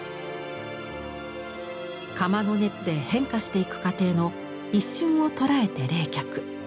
窯の熱で変化していく過程の一瞬を捉えて冷却。